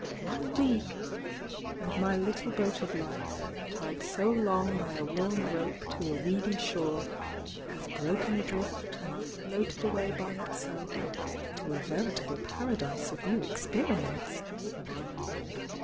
One week!— and my little boat of life, tied so long by a worn rope to a weedy shore, has broken adrift and floated away by itself to a veritable paradise of new experience.